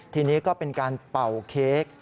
ทีนี้ก็เป็นการเป่าเค้ก